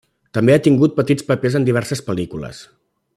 També ha tingut petits papers en diverses pel·lícules.